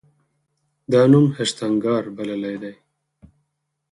دا نوم هشتنګار بللی دی.